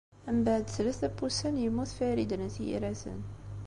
Mbeɛd tlata n wussan, yemmut Farid n At Yiraten.